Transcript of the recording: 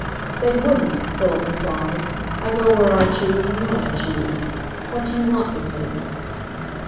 "They wouldn't," Philip replied. "I go where I choose and when I choose. What do you want with me?"